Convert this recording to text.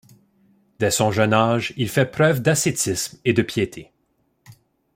Dès son jeune âge, il fait preuve d'ascétisme et de piété.